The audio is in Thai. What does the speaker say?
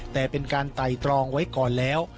แต่เป็นการไต่ตรองไว้ก่อนแล้ว